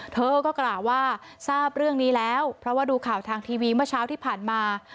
เธอก็กล่าวว่าทราบเรื่องนี้แล้วเพราะว่าดูข่าวทางทีวีเมื่อเช้าที่ผ่านมา